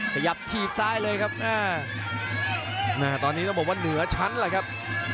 ขยับถีบซ้ายเลยครับตอนนี้ต้องบอกว่าเหนือชั้นแหละครับ